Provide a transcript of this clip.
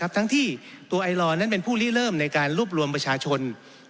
ทั้งที่ตัวไอลอร์นั้นเป็นผู้ลีเริ่มในการรวบรวมประชาชน